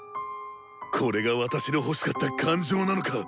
これが私の欲しかった感情なのか？